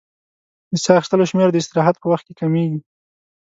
د سا اخیستلو شمېر د استراحت په وخت کې کمېږي.